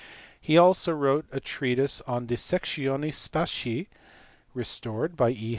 He also wrote a treatise De Sectione Spatii (restored by E.